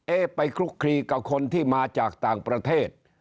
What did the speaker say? ไปคลุกคลีกับคนที่มาจากต่างประเทศ